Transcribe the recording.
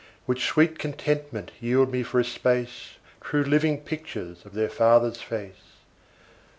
Which sweet contentment yield me for a space, True living pictures of their father's face.